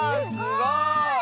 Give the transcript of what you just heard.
すごい！